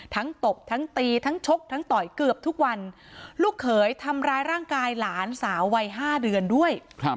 ตบทั้งตีทั้งชกทั้งต่อยเกือบทุกวันลูกเขยทำร้ายร่างกายหลานสาววัย๕เดือนด้วย